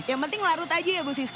yang penting larut aja ya bu siswi